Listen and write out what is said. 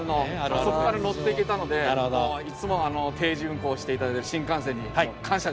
あそこから乗っていけたのでもういつも定時運行して頂いてる新幹線に感謝です。